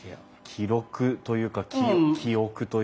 記録というか記憶というか。